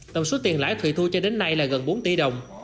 tổng số tiền lãi thùy thu cho đến nay là gần bốn tỷ đồng